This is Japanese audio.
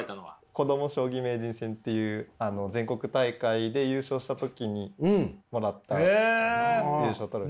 こども将棋名人戦っていう全国大会で優勝した時にもらった優勝トロフィーです。